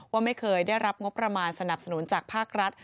ว่าไม่เคยได้รับงบประมาณสนับสนุนจากภาครัฐ